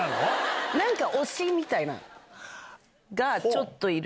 何か推しみたいなのがちょっといる。